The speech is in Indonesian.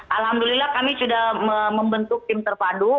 alhamdulillah kami sudah membentuk tim terpadu